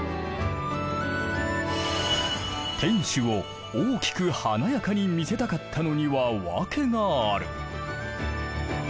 天守を大きく華やかに見せたかったのには訳がある。